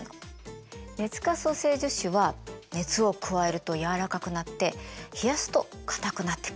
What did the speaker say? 熱可塑性樹脂は熱を加えると軟らかくなって冷やすと硬くなってく。